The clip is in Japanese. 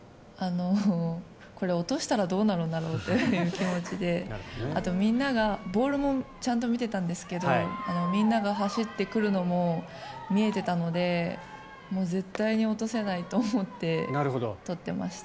これ、落としたらどうなるんだろうという気持ちであと、みんながボールもちゃんと見てたんですけどみんなが走ってくるのも見えていたので絶対に落とせないと思ってとっていました。